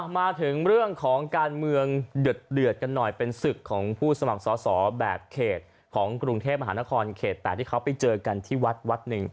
มาถึงเรื่องของการเมืองเดือดกันหน่อยเป็นศึกของผู้สมัครสอสอแบบเขตของกรุงเทพมหานครเขต๘ที่เขาไปเจอกันที่วัดวัดหนึ่ง